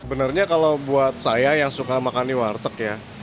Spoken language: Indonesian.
sebenarnya kalau buat saya yang suka makannya warteg ya